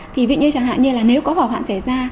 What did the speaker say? thì vị như chẳng hạn như là nếu có vỏ hoạn trẻ ra